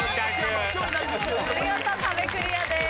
見事壁クリアです。